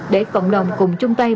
để cộng đồng cùng chung tay